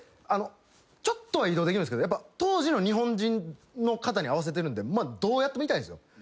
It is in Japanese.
ちょっとは移動できるんですけど当時の日本人のかたに合わせてるんでどうやっても痛いんですよ。